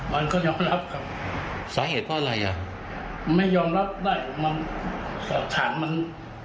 มันก็ยอมรับครับสาเหตุก็อะไรอ่ะไม่ยอมรับได้มันสถานมัน